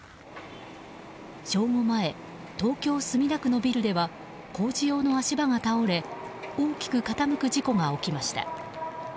正午前、東京・墨田区のビルでは工事用の足場が倒れ大きく傾く事故が起きました。